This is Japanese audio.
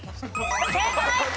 正解！